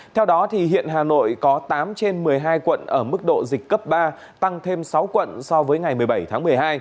theo đó hiện hà nội có tám trên một mươi hai quận ở mức độ dịch cấp ba tăng thêm sáu quận so với ngày một mươi bảy tháng một mươi hai